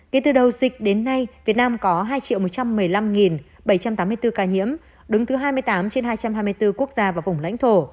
kể từ đầu dịch đến nay việt nam có hai một trăm một mươi năm bảy trăm tám mươi bốn ca nhiễm đứng thứ hai mươi tám trên hai trăm hai mươi bốn quốc gia và vùng lãnh thổ